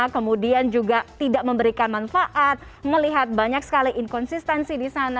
kemudian juga tidak memberikan manfaat melihat banyak sekali inkonsistensi di sana